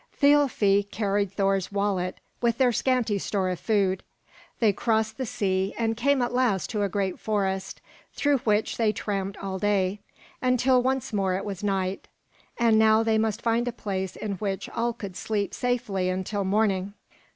Thialfi carried Thor's wallet with their scanty store of food. They crossed the sea and came at last to a great forest, through which they tramped all day, until once more it was night; and now they must find a place in which all could sleep safely until morning.